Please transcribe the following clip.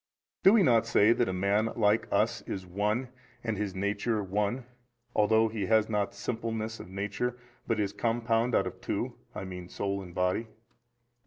A. Do we not say that a man like us is One and his nature one, although he has not simpleness [of nature] but is compounded out of two, I mean soul and body?